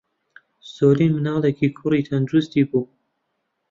سۆلین منداڵێکی کوڕی تەندروستی بوو.